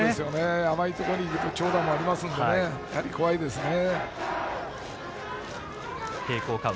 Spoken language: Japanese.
甘いところにいくと長打もありますので怖いですね。